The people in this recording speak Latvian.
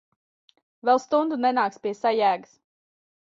Vēl stundu nenāks pie sajēgas.